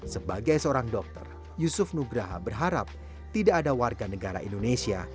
sebagai seorang dokter yusuf nugraha berharap tidak ada warga negara indonesia